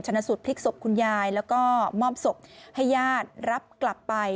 ชนะสูตรพลิกศพคุณยายแล้วก็มอบศพให้ญาติรับกลับไป